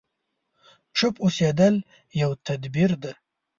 چوپ اوسېدل يو تدبير دی.